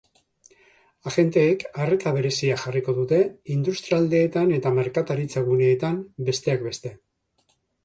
Agenteek arreta berezia jarriko dute industrialdeetan eta merkataritza-guneetan, besteak beste.